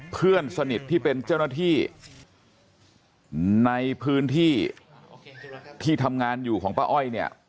เพื่อนสนิทที่เป็นเจ้าหน้าที่ในพื้นที่ที่ทำงานอยู่ของป้าอ้อยเนี่ย